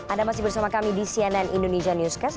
anda masih bersama kami di cnn indonesia newscast